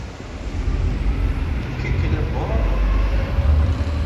– Iki kile bor-la?!